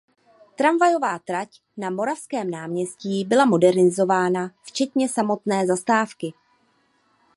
Tramvajová trať na Moravském náměstí byla modernizována včetně samotné zastávky.